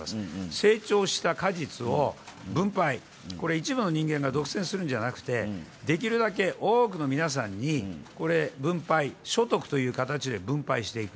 成長した果実を分配、一部の人間が独占するんじゃなくてできるだけ、多くの皆さんに分配所得という形で分配していく。